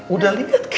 udah liat ke